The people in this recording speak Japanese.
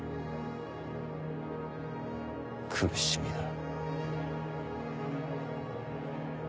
苦しみだ。